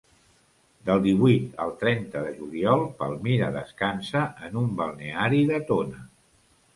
Del divuit al trenta de juliol Palmira descansa en un balneari de Tona.